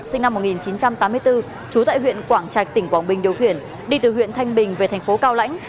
sinh năm một nghìn chín trăm tám mươi bốn trú tại huyện quảng trạch tỉnh quảng bình điều khiển đi từ huyện thanh bình về thành phố cao lãnh